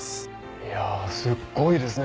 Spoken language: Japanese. いやすっごいですね